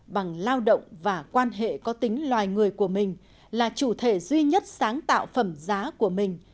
bằng lao động và quan hệ có tính loài người của mình là chủ thể duy nhất sáng tạo phẩm giá của mình